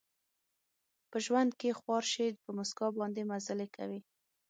په ژوند کې خوار شي، په مسکا باندې مزلې کوي